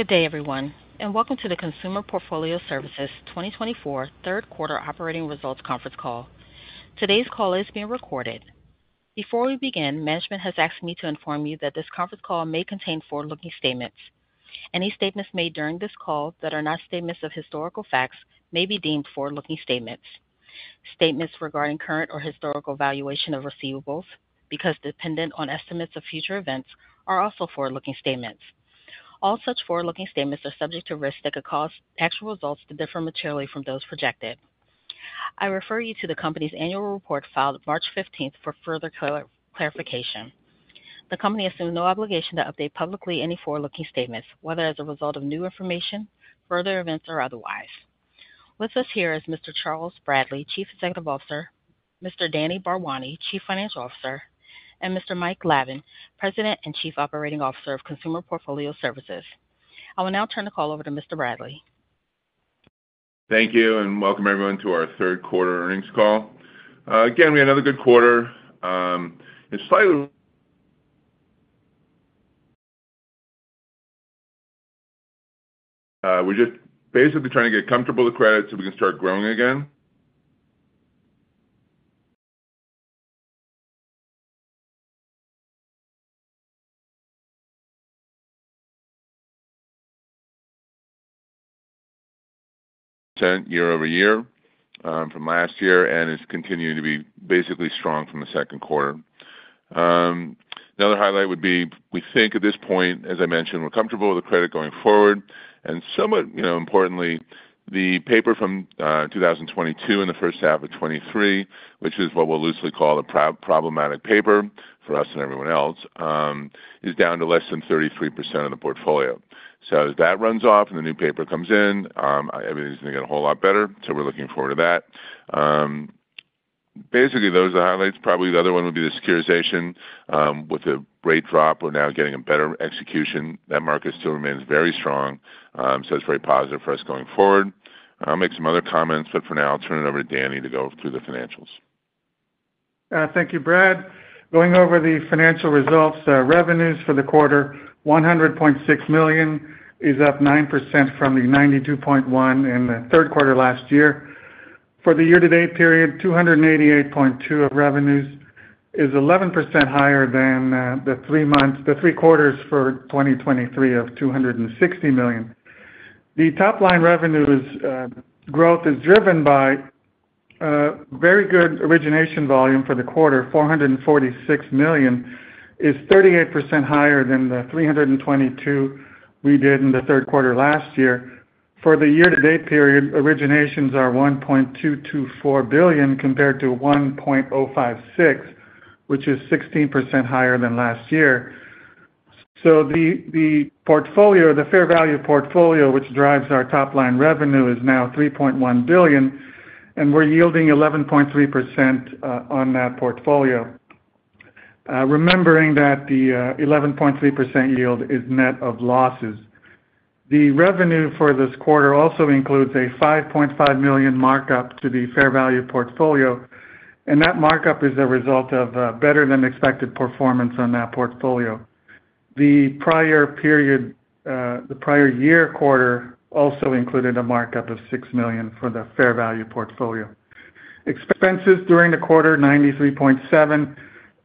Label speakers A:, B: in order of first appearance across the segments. A: Good day, everyone, and welcome to the Consumer Portfolio Services 2024 third quarter operating results conference call. Today's call is being recorded. Before we begin, management has asked me to inform you that this conference call may contain forward-looking statements. Any statements made during this call that are not statements of historical facts may be deemed forward-looking statements. Statements regarding current or historical valuation of receivables, because dependent on estimates of future events, are also forward-looking statements. All such forward-looking statements are subject to risks that could cause actual results to differ materially from those projected. I refer you to the company's Annual Report filed March 15th for further clarification. The company assumes no obligation to update publicly any forward-looking statements, whether as a result of new information, further events, or otherwise. With us here is Mr. Charles Bradley, Chief Executive Officer; Mr. Danny Bharwani, Chief Financial Officer; and Mr. Mike Lavin, President and Chief Operating Officer of Consumer Portfolio Services. I will now turn the call over to Mr. Bradley.
B: Thank you and welcome everyone to our third quarter earnings call. Again, we had another good quarter. It's slightly, we're just basically trying to get comfortable with credit so we can start growing again. percent year-over-year from last year, and it's continuing to be basically strong from the second quarter. Another highlight would be, we think at this point, as I mentioned, we're comfortable with the credit going forward, and somewhat importantly, the paper from 2022 and the first half of 2023, which is what we'll loosely call the problematic paper, for us and everyone else, is down to less than 33% of the portfolio; so if that runs off and the new paper comes in, everything's going to get a whole lot better, so we're looking forward to that. Basically, those are the highlights. Probably the other one would be the securitization. With the rate drop, we're now getting a better execution. That market still remains very strong, so it's very positive for us going forward. I'll make some other comments; but for now, I'll turn it over to Danny to go through the financials.
C: Thank you, Brad. Going over the financial results, revenues for the quarter, $100.6 million is up 9% from the $92.1 million in the third quarter last year. For the year-to-date period, $288.2 million of revenues is 11% higher than the three quarters for 2023 of $260 million. The top-line revenue growth is driven by very good origination volume for the quarter, $446 million, is 38% higher than the $322 million we did in the third quarter last year. For the year-to-date period, originations are $1.224 billion compared to $1.056 billion, which is 16% higher than last year. So the portfolio, the fair value portfolio, which drives our top-line revenue, is now $3.1 billion, and we're yielding 11.3% on that portfolio, remembering that the 11.3% yield is net of losses. The revenue for this quarter also includes a $5.5 million markup to the fair value portfolio, and that markup is a result of a better-than-expected performance on that portfolio. The prior year quarter also included a markup of $6 million for the fair value portfolio. Expenses during the quarter, $93.7 million,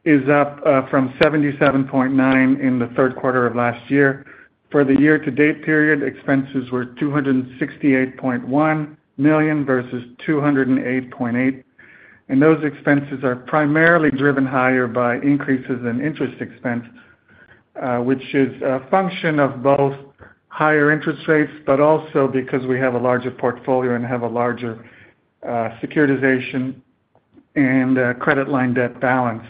C: is up from $77.9 million in the third quarter of last year. For the year-to-date period, expenses were $268.1 million versus $208.8 million, and those expenses are primarily driven higher by increases in interest expense, which is a function of both higher interest rates, but also because we have a larger portfolio and have a larger securitization and credit line debt balance.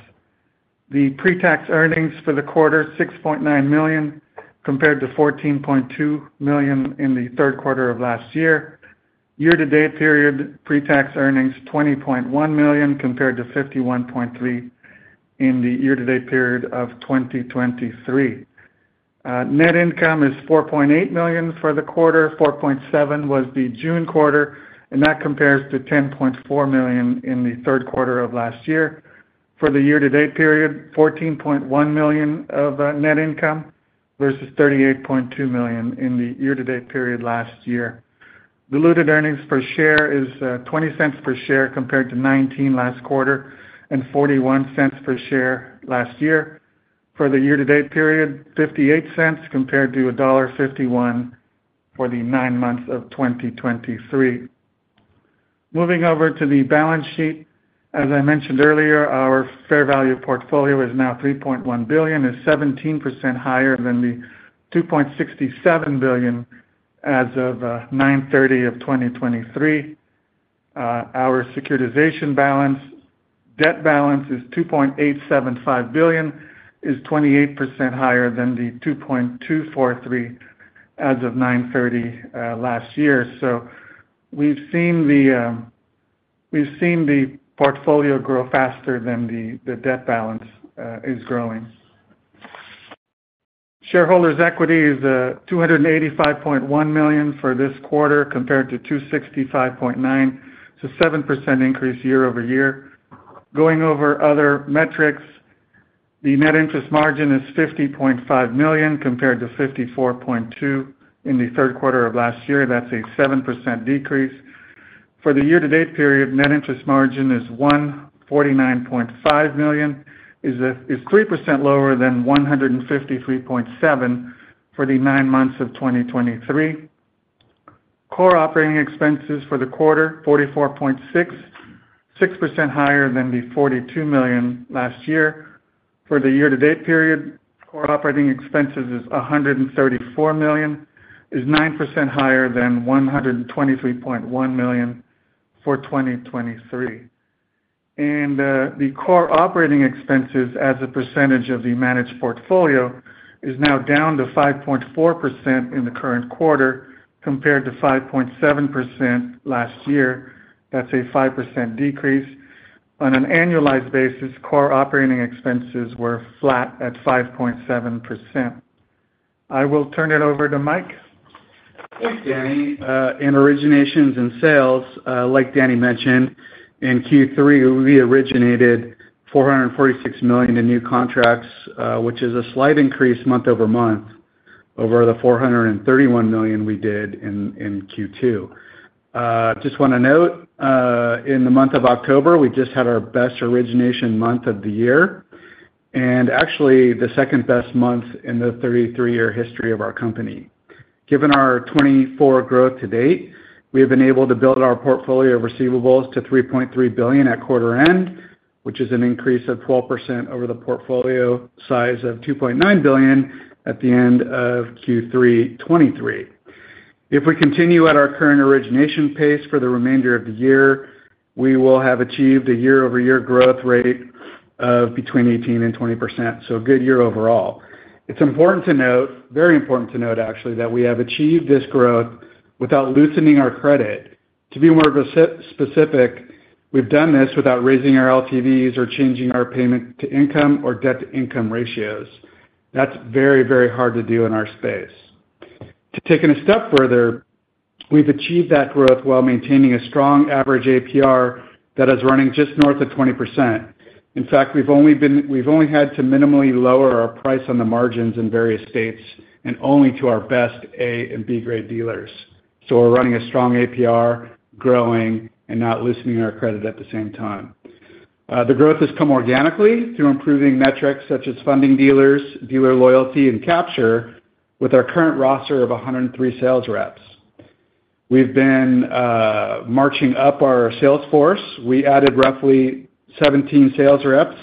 C: The pre-tax earnings for the quarter, $6.9 million, compared to $14.2 million in the third quarter of last year. Year-to-date period, pre-tax earnings, $20.1 million compared to $51.3 million in the year-to-date period of 2023. Net income is $4.8 million for the quarter. $4.7 million was the June quarter, and that compares to $10.4 million in the third quarter of last year. For the year-to-date period, $14.1 million of net income versus $38.2 million in the year-to-date period last year. Diluted earnings per share is $0.20 per share compared to $0.19 last quarter and $0.41 per share last year. For the year-to-date period, $0.58 compared to $1.51 for the nine months of 2023. Moving over to the balance sheet, as I mentioned earlier, our fair value portfolio is now $3.1 billion, is 17% higher than the $2.67 billion as of 9/30/2023. Our securitization balance, debt balance, is $2.875 billion, is 28% higher than the $2.243 billion as of 9/30/2023. So we've seen the portfolio grow faster than the debt balance is growing. Shareholders' equity is $285.1 million for this quarter compared to $265.9 million, so 7% increase year-over-year. Going over other metrics, the net interest margin is $50.5 million compared to $54.2 million in the third quarter of last year. That's a 7% decrease. For the year-to-date period, net interest margin is $149.5 million, is 3% lower than $153.7 million for the nine months of 2023. Core operating expenses for the quarter, $44.6 million, 6% higher than the $42 million last year. For the year-to-date period, core operating expenses is $134 million, is 9% higher than $123.1 million for 2023. And the core operating expenses as a percentage of the managed portfolio is now down to 5.4% in the current quarter compared to 5.7% last year. That's a 5% decrease. On an annualized basis, core operating expenses were flat at 5.7%. I will turn it over to Mike.
D: Thanks, Danny. In originations and sales, like Danny mentioned, in Q3, we originated $446 million in new contracts, which is a slight increase month-over-month over the $431 million we did in Q2. I just want to note, in the month of October, we just had our best origination month of the year, and actually the second-best month in the 33-year history of our company. Given our 2024 growth to date, we have been able to build our portfolio of receivables to $3.3 billion at quarter end, which is an increase of 12% over the portfolio size of $2.9 billion at the end of Q3 2023. If we continue at our current origination pace for the remainder of the year, we will have achieved a year-over-year growth rate of between 18% and 20%, so a good year overall. It's important to note, very important to note, actually, that we have achieved this growth without loosening our credit. To be more specific, we've done this without raising our LTVs or changing our payment-to-income or debt-to-income ratios. That's very, very hard to do in our space. To take it a step further, we've achieved that growth while maintaining a strong average APR that is running just north of 20%. In fact, we've only had to minimally lower our price on the margins in various states and only to our best A- and B-grade dealers. So we're running a strong APR, growing, and not loosening our credit at the same time. The growth has come organically through improving metrics such as funding dealers, dealer loyalty, and capture with our current roster of 103 sales reps. We've been marching up our sales force. We added roughly 17 sales reps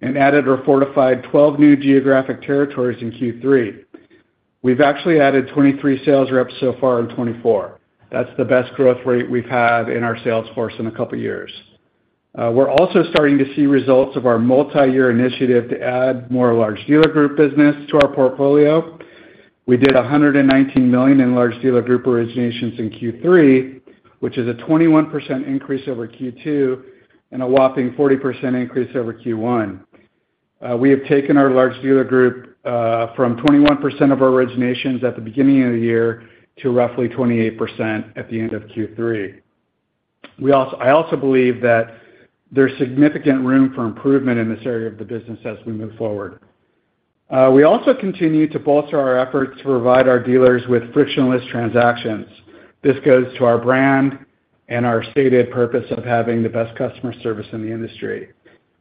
D: and added or fortified 12 new geographic territories in Q3. We've actually added 23 sales reps so far in 2024. That's the best growth rate we've had in our sales force in a couple of years. We're also starting to see results of our multi-year initiative to add more large dealer group business to our portfolio. We did $119 million in large dealer group originations in Q3, which is a 21% increase over Q2 and a whopping 40% increase over Q1. We have taken our large dealer group from 21% of our originations at the beginning of the year to roughly 28% at the end of Q3. I also believe that there's significant room for improvement in this area of the business as we move forward. We also continue to bolster our efforts to provide our dealers with frictionless transactions. This goes to our brand and our stated purpose of having the best customer service in the industry.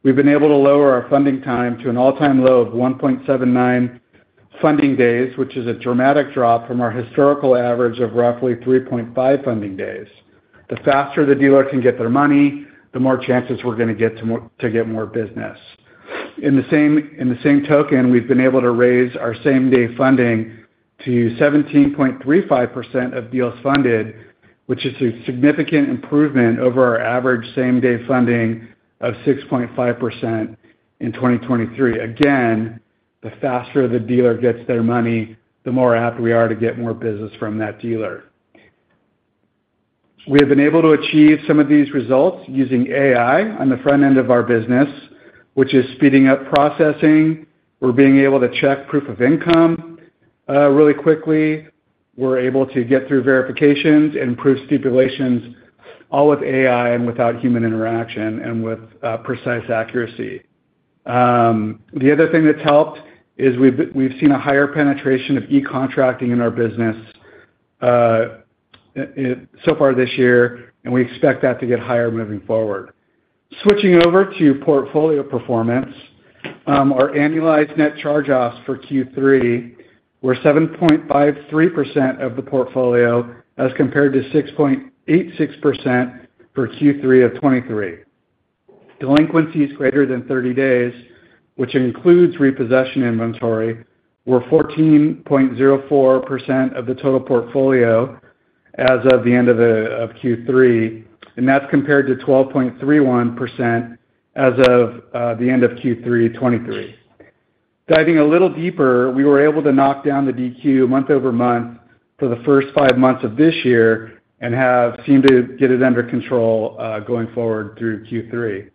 D: We've been able to lower our funding time to an all-time low of 1.79 funding days, which is a dramatic drop from our historical average of roughly 3.5 funding days. The faster the dealer can get their money, the more chances we're going to get to get more business. In the same token, we've been able to raise our same-day funding to 17.35% of deals funded, which is a significant improvement over our average same-day funding of 6.5% in 2023. Again, the faster the dealer gets their money, the more apt we are to get more business from that dealer. We have been able to achieve some of these results using AI on the front end of our business, which is speeding up processing. We're being able to check proof of income really quickly. We're able to get through verifications and proof stipulations, all with AI and without human interaction and with precise accuracy. The other thing that's helped is we've seen a higher penetration of e-contracting in our business so far this year, and we expect that to get higher moving forward. Switching over to portfolio performance, our annualized net charge-offs for Q3 were 7.53% of the portfolio as compared to 6.86% for Q3 of 2023. Delinquencies greater than 30 days, which includes repossession inventory, were 14.04% of the total portfolio as of the end of Q3, and that's compared to 12.31% as of the end of Q3 2023. Diving a little deeper, we were able to knock down the DQ month-over-month for the first five months of this year and have seemed to get it under control going forward through Q3.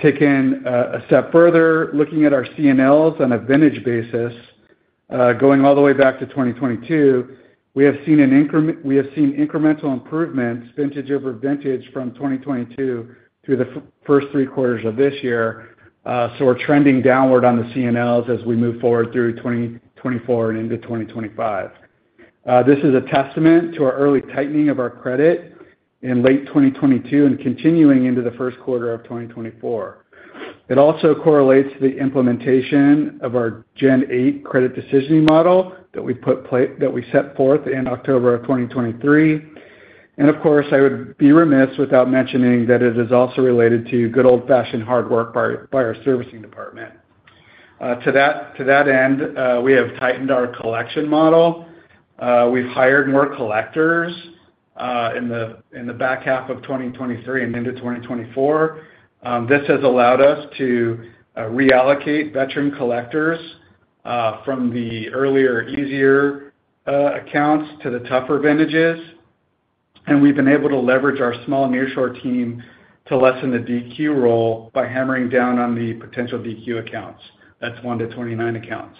D: Taken a step further, looking at our CNLs on a vintage basis, going all the way back to 2022, we have seen incremental improvements, vintage-over-vintage from 2022 through the first three quarters of this year. So we're trending downward on the CNLs as we move forward through 2024 and into 2025. This is a testament to our early tightening of our credit in late 2022 and continuing into the first quarter of 2024. It also correlates to the implementation of our Gen 8 credit decision model that we set forth in October of 2023. Of course, I would be remiss without mentioning that it is also related to good old-fashioned hard work by our servicing department. To that end, we have tightened our collection model. We've hired more collectors in the back half of 2023 and into 2024. This has allowed us to reallocate veteran collectors from the earlier, easier accounts to the tougher vintages. We've been able to leverage our small nearshore team to lessen the DQ roll by hammering down on the potential DQ accounts. That's 1 to 29 accounts.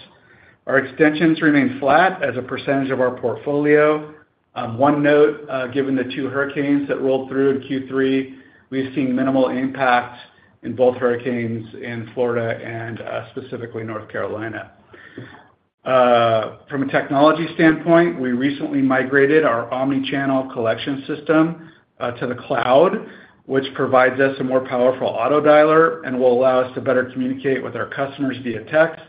D: Our extensions remain flat as a percentage of our portfolio. One note, given the two hurricanes that rolled through in Q3, we've seen minimal impact in both hurricanes in Florida and, specifically, North Carolina. From a technology standpoint, we recently migrated our omnichannel collection system to the cloud, which provides us a more powerful autodialer and will allow us to better communicate with our customers via text,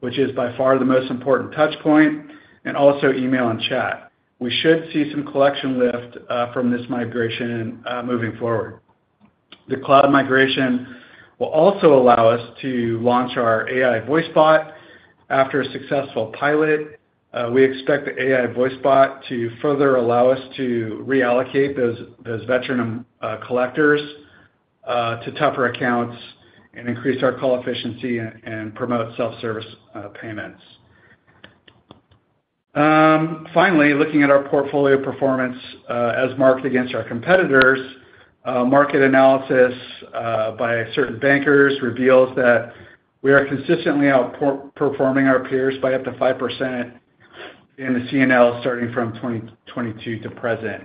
D: which is by far the most important touchpoint, and also email and chat. We should see some collection lift from this migration moving forward. The cloud migration will also allow us to launch our AI voicebot. After a successful pilot, we expect the AI voicebot to further allow us to reallocate those veteran collectors to tougher accounts and increase our collector efficiency and promote self-service payments. Finally, looking at our portfolio performance as measured against our competitors, market analysis by certain bankers reveals that we are consistently outperforming our peers by up to 5% in the CNL starting from 2022 to present.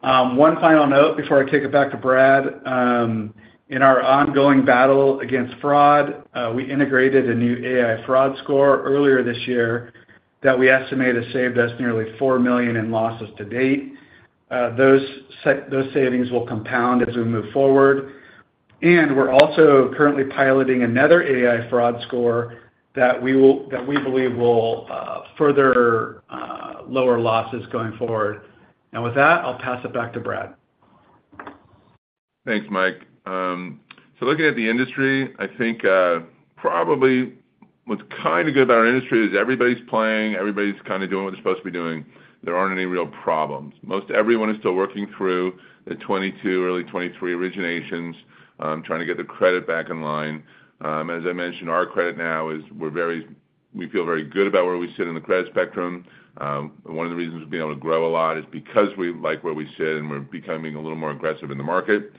D: One final note before I take it back to Brad. In our ongoing battle against fraud, we integrated a new AI fraud score earlier this year that we estimate has saved us nearly $4 million in losses to date. Those savings will compound as we move forward, and we're also currently piloting another AI fraud score that we believe will further lower losses going forward, and with that, I'll pass it back to Brad.
B: Thanks, Mike. So looking at the industry, I think probably what's kind of good about our industry is everybody's playing. Everybody's kind of doing what they're supposed to be doing. There aren't any real problems. Most everyone is still working through the 2022, early 2023 originations, trying to get the credit back in line. As I mentioned, our credit now is we feel very good about where we sit on the credit spectrum. One of the reasons we've been able to grow a lot is because we like where we sit and we're becoming a little more aggressive in the market.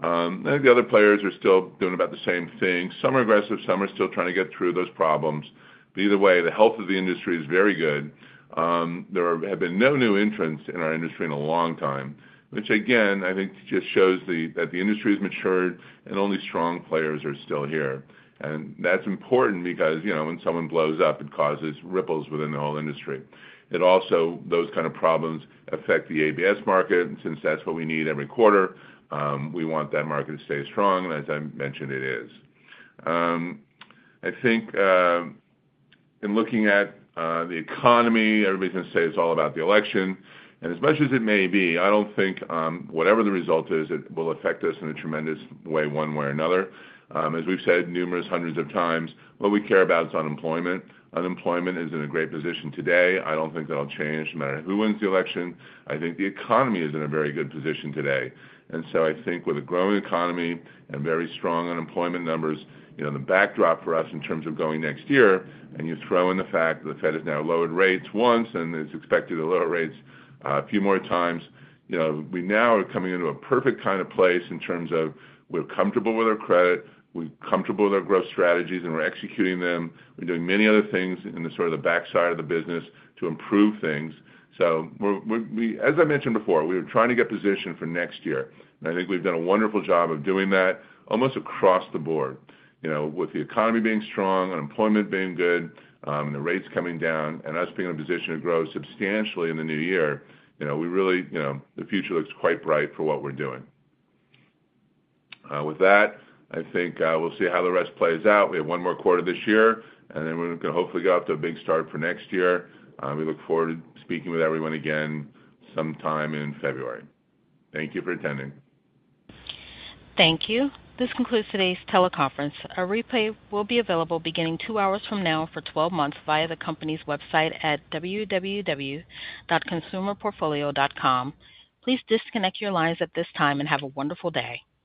B: I think the other players are still doing about the same thing. Some are aggressive. Some are still trying to get through those problems. But either way, the health of the industry is very good. There have been no new entrants in our industry in a long time, which again, I think just shows that the industry has matured and only strong players are still here. And that's important because when someone blows up, it causes ripples within the whole industry. Also, those kinds of problems affect the ABS market. And since that's what we need every quarter, we want that market to stay strong. And as I mentioned, it is. I think in looking at the economy, everybody's going to say it's all about the election. And as much as it may be, I don't think whatever the result is, it will affect us in a tremendous way one way or another. As we've said numerous hundreds of times, what we care about is unemployment. Unemployment is in a great position today. I don't think that'll change no matter who wins the election. I think the economy is in a very good position today, and so I think with a growing economy and very strong unemployment numbers, the backdrop for us in terms of going next year, and you throw in the fact that the Fed has now lowered rates once and is expected to lower rates a few more times, we now are coming into a perfect kind of place in terms of we're comfortable with our credit. We're comfortable with our growth strategies, and we're executing them. We're doing many other things in the sort of the backside of the business to improve things, so as I mentioned before, we were trying to get positioned for next year, and I think we've done a wonderful job of doing that almost across the board. With the economy being strong, unemployment being good, and the rates coming down, and us being in a position to grow substantially in the new year, we really, the future looks quite bright for what we're doing. With that, I think we'll see how the rest plays out. We have one more quarter this year, and then we're going to hopefully go out to a big start for next year. We look forward to speaking with everyone again sometime in February. Thank you for attending.
A: Thank you. This concludes today's teleconference. A replay will be available beginning two hours from now for 12 months via the company's website at www.consumerportfolio.com. Please disconnect your lines at this time and have a wonderful day.